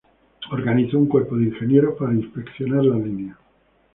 Organizó un cuerpo de ingenieros para inspeccionar la línea.